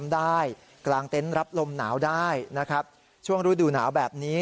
ได้นะครับช่วงฤดูหนาวแบบนี้